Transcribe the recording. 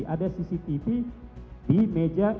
ada cctv di meja